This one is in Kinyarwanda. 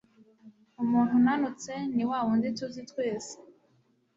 Umuntu unanutse ni wawundi tuzi twese